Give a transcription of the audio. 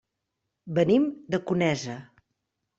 Venim de Conesa.